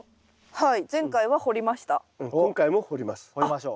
はい。